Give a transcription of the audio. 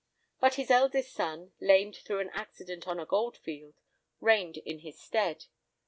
But his eldest son, lamed through an accident on a goldfield, reigned in his stead.